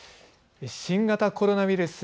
新型コロナウイルス。